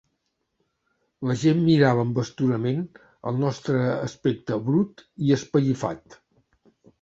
La gent mirava amb astorament el nostre aspecte brut i espellifat.